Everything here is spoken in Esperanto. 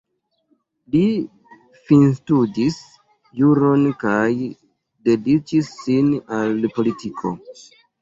Li finstudis juron kaj dediĉis sin al politiko.